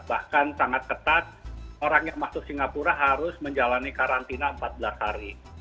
bahkan sangat ketat orang yang masuk singapura harus menjalani karantina empat belas hari